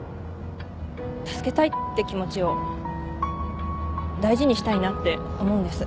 助けたいって気持ちを大事にしたいなって思うんです。